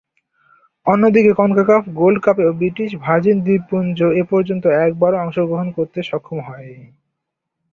অন্যদিকে, CONCACAF gold কাপেও British Virgin দ্বীপপুঞ্জ এপর্যন্ত একবারও অংশগ্রহণ করতে সক্ষম হয়নি।